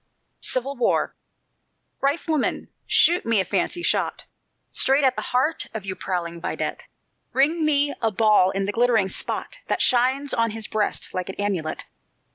CIVIL WAR "Rifleman, shoot me a fancy shot Straight at the heart of yon prowling vidette; Ring me a ball in the glittering spot That shines on his breast like an amulet!"